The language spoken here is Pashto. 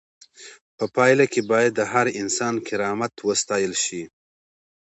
په پایله کې باید د هر انسان کرامت وساتل شي.